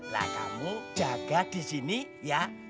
lah kamu jaga disini ya